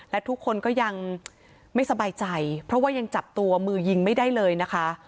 และทุกคนก็ยังไม่สบายใจเพราะว่ายังจับตัวมือยิงไม่ได้เลยนะคะ